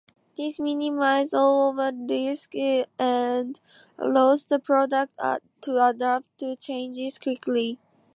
This minimizes overall risk and allows the product to adapt to changes quickly.